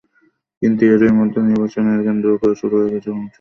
কিন্তু এরই মধ্যে নির্বাচনকে কেন্দ্র করে শুরু হয়ে গেছে ভাঙচুর, অভিযোগ-পাল্টা অভিযোগ।